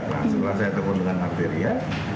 nah setelah saya telepon dengan arteria